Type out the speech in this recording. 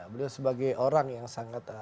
beliau sebagai orang yang sangat